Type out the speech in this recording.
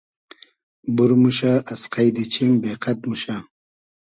بور موشۂ از قݷدی چیم بې قئد موشۂ